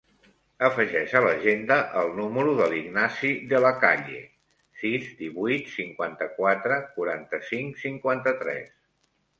Afegeix a l'agenda el número de l'Ignasi De La Calle: sis, divuit, cinquanta-quatre, quaranta-cinc, cinquanta-tres.